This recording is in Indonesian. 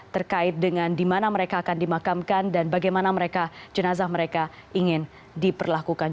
terkait dengan di mana mereka akan dimakamkan dan bagaimana mereka jenazah mereka ingin diperlakukan